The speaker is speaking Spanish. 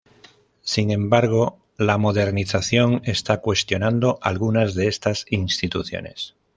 Sin embargo, la modernización está cuestionando algunas de estas instituciones.